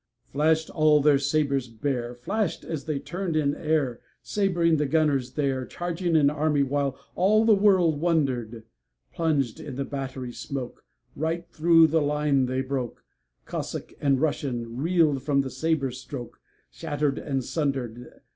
Flash'd all their sabres bare, Flash'd as they turn'd in airSabring the gunners there, Charging an army, whileAll the world wonder'd:Plunged in the battery smokeRight thro' the line they broke; Cossack and RussianReel'd from the sabre strokeShatter'd and sunder'd.